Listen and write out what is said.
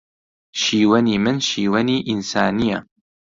شیوەنی من شیوەنی ئینسانییە